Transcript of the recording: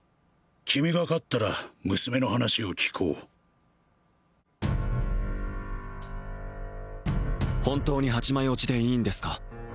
君が勝ったら娘の話を聞こう本当に８枚落ちでいいんですか？